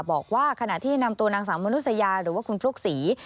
บอกว่าขณะที่นำตัวนางสาวมนุษยาหรือว่าคุณฟลุ๊กศรี